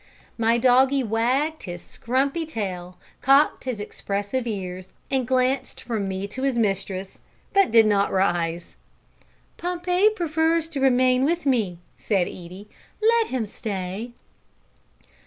My doggie wagged his scrumpy tail, cocked his expressive ears, and glanced from me to his mistress, but did not rise. "Pompey prefers to remain with me," said Edie; "let him stay."